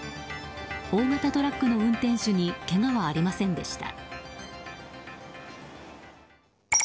大型トラックの運転手にけがはありませんでした。